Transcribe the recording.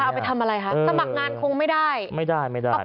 เป็นโปรไฟล์เอาไปทำอะไรคะสมัครงานคงไม่ได้